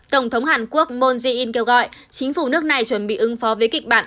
tổng thống hàn quốc moon jae in kêu gọi chính phủ nước này chuẩn bị ứng phó với kịch bản